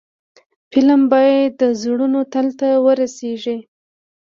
فلم باید د زړونو تل ته ورسیږي